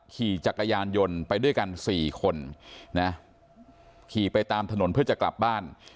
ขี่จักรยานยนต์ไปด้วยกันสี่คนนะขี่ไปตามถนนเพื่อจะกลับบ้าน